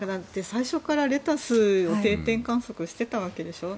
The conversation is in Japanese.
最初からレタスを定点観測していたわけでしょ。